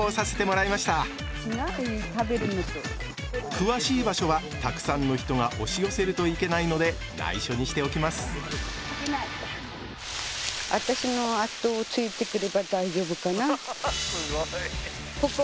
詳しい場所はたくさんの人が押し寄せるといけないのでないしょにしておきますすごい。